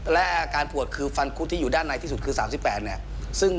และอาการปวดคือฟันคุดที่อยู่ด้านในที่สุดคือ๓๘เนี่ย